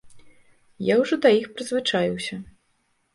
Я ўжо да іх прызвычаіўся.